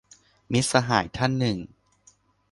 - มิตรสหายท่านหนึ่ง